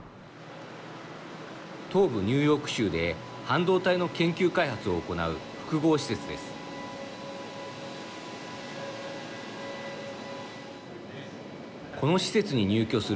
東部ニューヨーク州で半導体の研究開発を行う複合施設です。